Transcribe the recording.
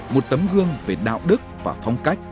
một tấm gương về đạo đức và phong cách